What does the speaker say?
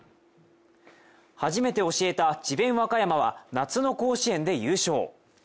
初めて教えた智辯和歌山は夏の甲子園で優勝。